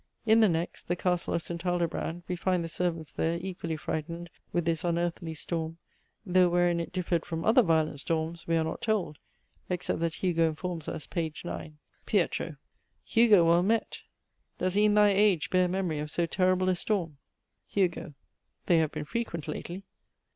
In the next (the Castle of St. Aldobrand,) we find the servants there equally frightened with this unearthly storm, though wherein it differed from other violent storms we are not told, except that Hugo informs us, page 9 "PIET. Hugo, well met. Does e'en thy age bear Memory of so terrible a storm? HUGO. They have been frequent lately.